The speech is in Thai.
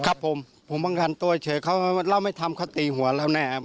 ครับผมผมเป็นการป้องกันตัวเฉยแล้วจะไม่ทำเขาตีหัวแล้วแน่